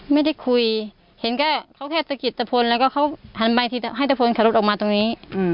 ไม่ได้คุยเห็นแค่เขาแค่ตะกิดตะพลแล้วก็เขาหันไปให้ตะพลขับรถออกมาตรงนี้